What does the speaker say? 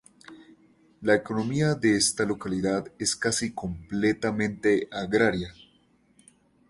La economía de esta localidad es casi completamente agraria.